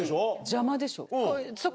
邪魔でしょ？